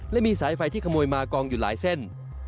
และมีสายไฟที่ขโมยมากองอยู่หลายเส้น